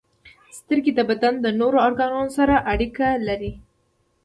• سترګې د بدن د نورو ارګانونو سره اړیکه لري.